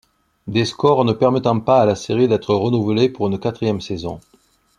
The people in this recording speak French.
Des scores ne permettant pas à la série d'être renouvelée pour une quatrième saison.